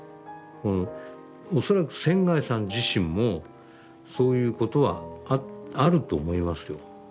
恐らく仙さん自身もそういうことはあると思いますよ。